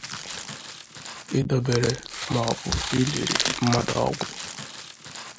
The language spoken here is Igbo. idobere maọbụ ilìrì mmadụ ọgwụ